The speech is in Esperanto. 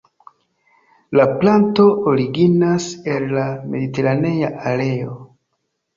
La planto originas el la mediteranea areo.